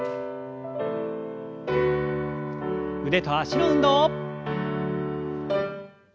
腕と脚の運動。